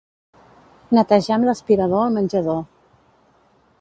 Netejar amb l'aspirador el menjador.